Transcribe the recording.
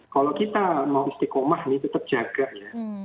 kalau kita mau istiqomah ini tetap jaganya